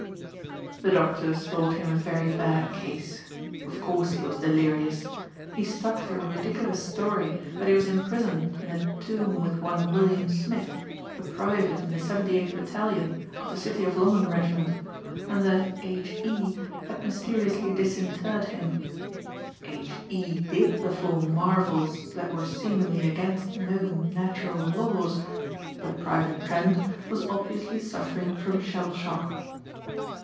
The doctors thought him a very bad case. Of course he was delirious. He stuck to a ridiculous story that he was imprisoned in a tomb with one William Smith, a private in the 78th Battalion of the City of London Regiment and that H. E. had mysteriously disinterred him. H. E. did perform marvels that were seemingly against known natural laws but Private Trent was obviously suffering from shell shock.